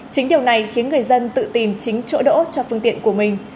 chính điều này khiến người dân tự tìm chính chỗ đỗ cho phương tiện của mình